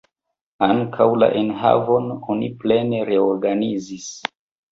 Ankaŭ la enhavon oni plene reorganizis.